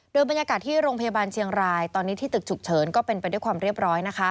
โดยบรรยากาศที่โรงพยาบาลเชียงรายตอนนี้ที่ตึกฉุกเฉินก็เป็นไปด้วยความเรียบร้อย